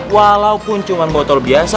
walaupun cuma botol biasa